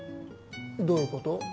どういうこと？